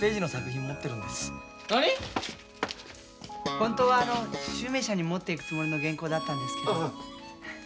本当はあの集明社に持っていくつもりの原稿だったんですけど。